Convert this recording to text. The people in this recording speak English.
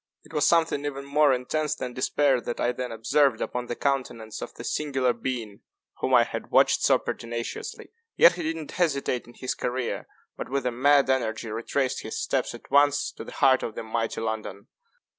It was something even more intense than despair that I then observed upon the countenance of the singular being whom I had watched so pertinaciously. Yet he did not hesitate in his career, but, with a mad energy, retraced his steps at once, to the heart of the mighty London.